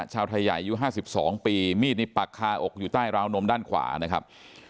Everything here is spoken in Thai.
ชาวไทยใหญ่อยู่ห้าสิบสองปีมีดนิดปักคาอกอยู่ใต้ราวนมด้านขวานะครับ